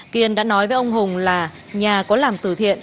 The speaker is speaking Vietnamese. kiên đã nói với ông hùng là nhà có làm từ thiện